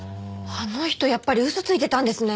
あの人やっぱり嘘ついてたんですね！